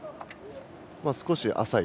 少し浅い。